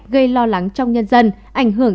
gây lo lắng trong nhân dân ảnh hưởng